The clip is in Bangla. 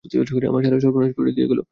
আমার সাড়ে সর্বনাশ করে দিয়ে গেল!